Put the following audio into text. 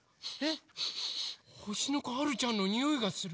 ほしのこはるちゃんのにおいがする。